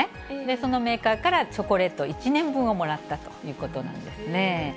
そのメーカーからチョコレート１年分をもらったということなんですね。